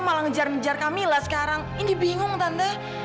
bilang kalau kamilah udah dipecat